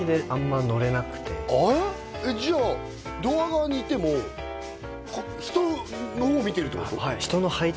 じゃあドア側にいても人の方見てるってこと？